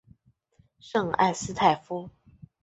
圣埃斯泰夫。